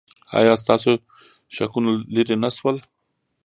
ایا ستاسو شکونه لرې نه شول؟